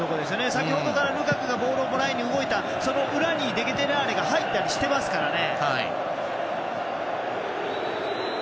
先ほどからルカクがボールをもらいに動いたその裏に、デケテラーレが入ったりしてますからね。